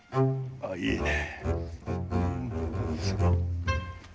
あっいいね。